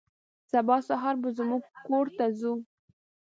سبا سهار به زموږ کور ته ځو.